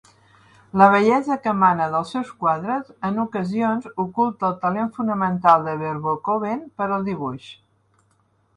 La bellesa que emana dels seus quadres en ocasions oculta el talent fonamental de Verboeckhoven per al dibuix.